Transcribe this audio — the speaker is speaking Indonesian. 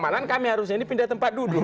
malahan kami harusnya ini pindah tempat duduk